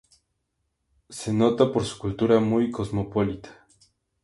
Se nota por su cultura muy cosmopolita.